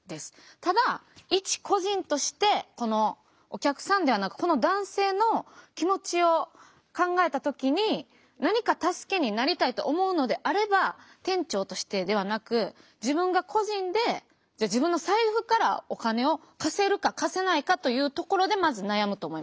ただ一個人としてこのお客さんではなくこの男性の気持ちを考えた時に何か助けになりたいと思うのであれば店長としてではなく自分が個人で自分の財布からお金を貸せるか貸せないかというところでまず悩むと思います。